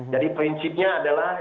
jadi prinsipnya adalah